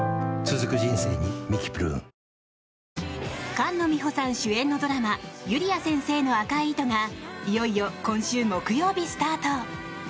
菅野美穂さん主演のドラマ「ゆりあ先生の赤い糸」がいよいよ今週木曜日スタート。